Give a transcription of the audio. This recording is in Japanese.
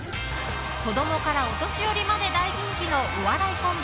子供からお年寄りまで大人気のお笑いコンビ